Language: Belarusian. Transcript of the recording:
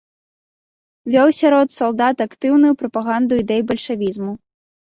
Вёў сярод салдат актыўную прапаганду ідэй бальшавізму.